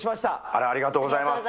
あら、ありがとうございます。